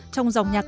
trong dòng nhạc sĩ